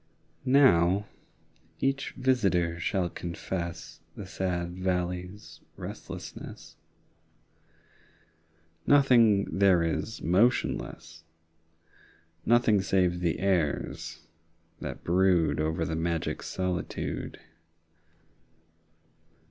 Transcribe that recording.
Now each visitor shall confess The sad valley's restlessness. 10 Nothing there is motionless, Nothing save the airs that brood Over the magic solitude.